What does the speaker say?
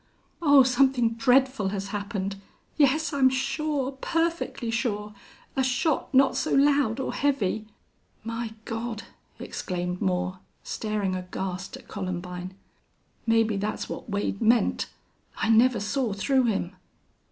"Oh, something dreadful has happened! Yes, I'm sure. Perfectly sure. A shot not so loud or heavy." "My God!" exclaimed Moore, staring aghast at Columbine. "Maybe that's what Wade meant. I never saw through him."